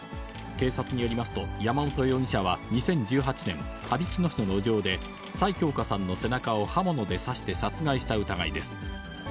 警察によりますと、山本容疑者は２０１８年、羽曳野市の路上で、崔喬可さんの背中を刃物で刺して殺害した疑いです。